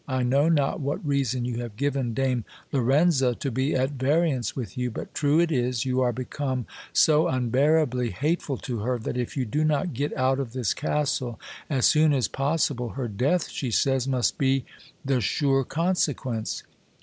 I know not what reason you have given Dame Lorenza to be at variance with you ; but true it is, you are become so unbearably hate ful to her, that if you do not get out of this castle as soon as possible, her death, she says, must be the sure consequence.